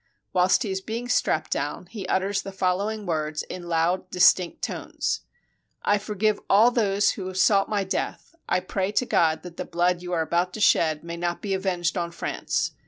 Whilst he is being strapped down, he utters the following words in loud, distinct tones: "I forgive all those who have sought my death; I pray to God that the blood you are about to shed may not be avenged on France.